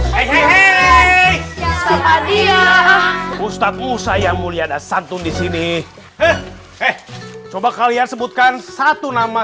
hai hei hei ustadz musa yang mulia dasantun disini eh coba kalian sebutkan satu nama